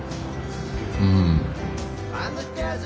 うん。